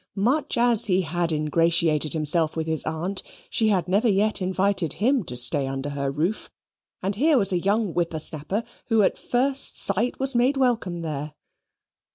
Much as he had ingratiated himself with his aunt, she had never yet invited him to stay under her roof, and here was a young whipper snapper, who at first sight was made welcome there.